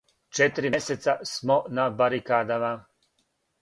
Четири месеца смо на барикадама.